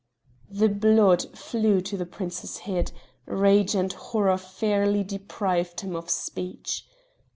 The blood flew to the prince's head; rage and horror fairly deprived him of speech.